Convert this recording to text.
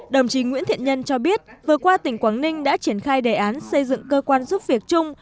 đồng chí nguyễn thiện nhân cho biết vừa qua tỉnh quảng ninh đã triển khai đề án xây dựng cơ quan giúp việc chung